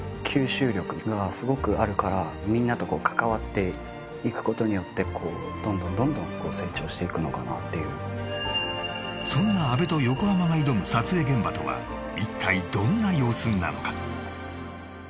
吸収力がすごくあるからみんなと関わっていくことによってどんどんどんどん成長していくのかなっていうそんな阿部と横浜が挑む撮影現場とは一体どんな様子なのか？